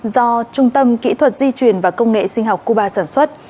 do trung tâm kỹ thuật di truyền và công nghệ sinh học cuba sản xuất